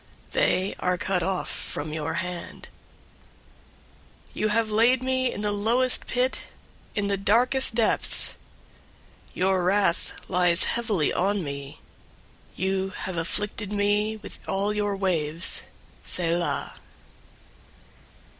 They are cut off from your hand. 088:006 You have laid me in the lowest pit, in the darkest depths. 088:007 Your wrath lies heavily on me. You have afflicted me with all your waves. Selah.